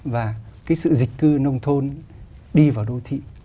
và cái sự dịch cư nông thôn đi vào đô thị